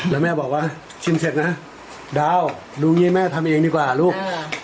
แล้วแม่บอกว่าชิมเสร็จนะดาวดูอย่างนี้แม่ทำเองดีกว่าลูก